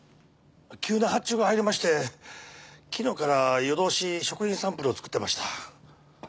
急な発注が入りまして昨日から夜通し食品サンプルを作ってました。